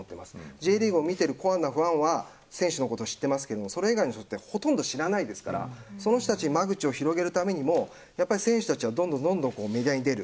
Ｊリーグを見てるコアなファンは選手のことを知ってますがそれ以外の人ってほとんど知らないですからその人たちの間口を広げるためにも選手たちはどんどんメディアに出る。